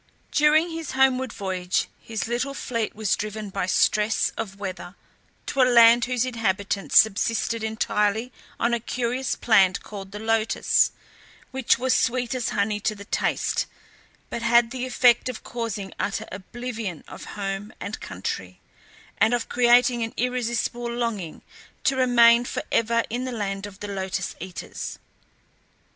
During his homeward voyage his little fleet was driven by stress of weather to a land whose inhabitants subsisted entirely on a curious plant called the lotus, which was sweet as honey to the taste, but had the effect of causing utter oblivion of home and country, and of creating an irresistible longing to remain for ever in the land of the lotus eaters.